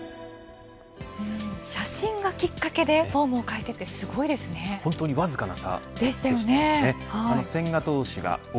写真がきっかけでフォームを変えてって本当にわずかな差。